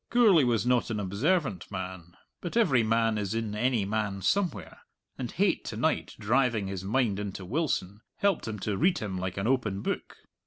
Gourlay was not an observant man, but every man is in any man somewhere, and hate to night driving his mind into Wilson, helped him to read him like an open book.